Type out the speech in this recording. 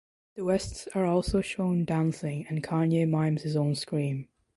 The Wests are also shown dancing and Kanye mimes his own scream.